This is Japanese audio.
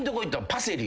パセリ。